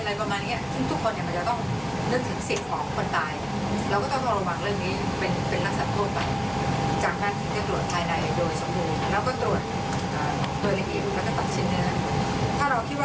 ถ้าเราคิดว่าเราตัดขึ้นเขาได้ตามเรา